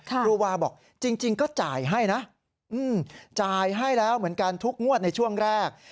ครูวาบอกจริงก็จ่ายให้นะจ่ายให้แล้วเหมือนกันทุกงวดในช่วงแรก